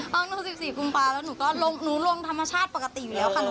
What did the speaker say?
เพราะหนู๑๔ปรุงปลาแล้วหนูก็ลงธรรมชาติปกติอยู่แล้วค่ะ